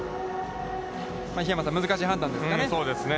桧山さん、難しい判断ですかね。